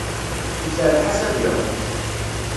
Iserreḥ-as ad iruḥ.